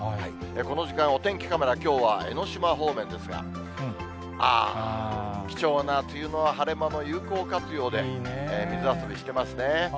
この時間、お天気カメラ、きょうは江の島方面ですが、あー、貴重な梅雨の晴れ間の有効活用で、水遊びしてますね。